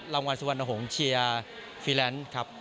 รังวัลสัปดาห์หน่ะหงฑ์เชียร์ฟลีแรนสท์ครับ